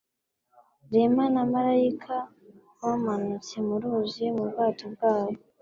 Rema na Malayika bamanutse mu ruzi mu bwato bwabo.